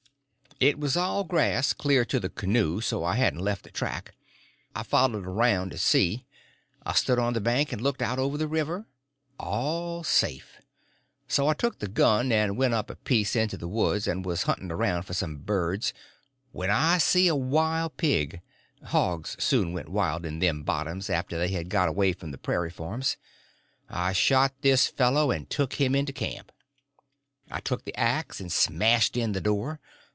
It was all grass clear to the canoe, so I hadn't left a track. I followed around to see. I stood on the bank and looked out over the river. All safe. So I took the gun and went up a piece into the woods, and was hunting around for some birds when I see a wild pig; hogs soon went wild in them bottoms after they had got away from the prairie farms. I shot this fellow and took him into camp. I took the axe and smashed in the door.